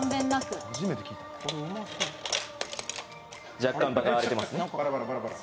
若干、場が荒れてます。